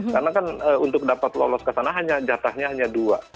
karena untuk dapat lolos ke sana jatahnya hanya dua